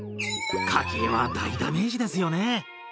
家計は大ダメージですよね。